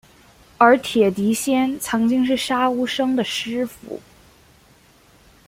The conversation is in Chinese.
而铁笛仙曾经是杀无生的师父。